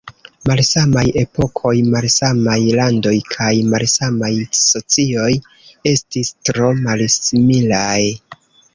Malsamaj epokoj, malsamaj landoj kaj malsamaj socioj estis tro malsimilaj.